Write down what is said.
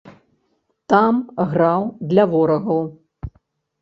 Там граў для ворагаў.